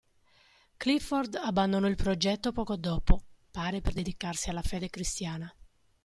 Clifford abbandonò il progetto poco dopo, pare per dedicarsi alla fede cristiana.